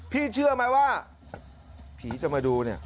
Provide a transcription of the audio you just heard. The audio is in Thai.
เชื่อไหมว่าผีจะมาดูเนี่ย